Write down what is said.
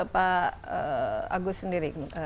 pak agus sendiri